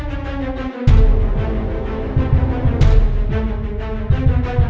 rasanya tadi pintu gue kunci